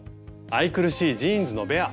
愛くるしいジーンズのベア！